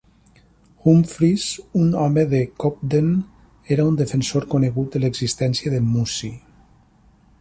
Humphries, un home de Cobden, era un defensor conegut de l'existència de Mussie.